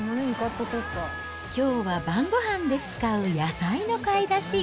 きょうは晩ごはんで使う野菜の買い出し。